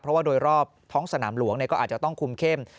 เพราะว่าโดยรอบท้องสนามหลวงก็อาจจะต้องคุมเข้ม